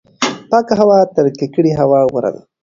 پاکه هوا تر ککړې هوا غوره ده.